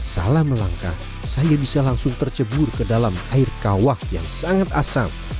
salah melangkah saya bisa langsung tercebur ke dalam air kawah yang sangat asam